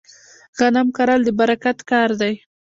غنم کرل د برکت کار دی.